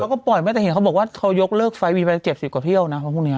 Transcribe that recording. เขาก็ปล่อยไม่แต่มันบอกว่าเขายกเลิกไฟมีภัยเจ็บ๖๐กว่าเที่ยวนะครั้งพรุ่งนี้